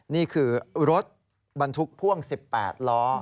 นี่คือรถบรรทุกพ่วง๑๘ล้อ